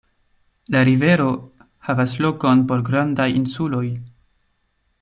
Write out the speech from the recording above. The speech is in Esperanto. La rivero havas lokon por grandaj insuloj.